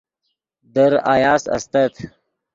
در آیاس استت